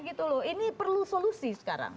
ini perlu solusi sekarang